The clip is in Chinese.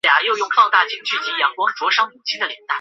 以下各型号请分别参见其主题条目。